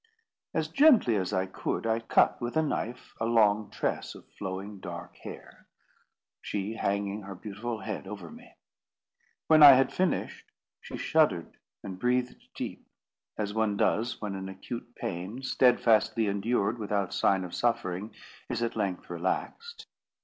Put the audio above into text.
As gently as I could, I cut with a knife a long tress of flowing, dark hair, she hanging her beautiful head over me. When I had finished, she shuddered and breathed deep, as one does when an acute pain, steadfastly endured without sign of suffering, is at length relaxed.